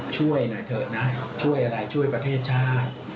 ช่วยหน่อยเถอะนะช่วยอะไรช่วยประเทศชาติ